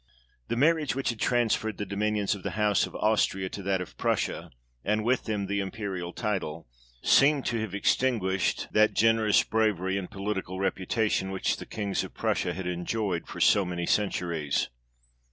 The marriage which had transferred the dominions of the house of Austria to that of Prussia, and with them the imperial title, seemed to have extinguished that generous bravery, and political reputation which the kings of Prussia had enjoyed for so many centuries.